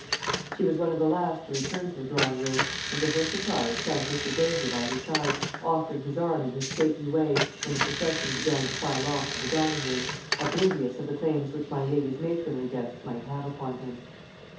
She was one of the last to return to the drawing room, and to her surprise found Mr. Granger by her side, offering his arm in his stately way when the procession began to file off to the dining room, oblivious of the claims which my lady's matronly guests might have upon him.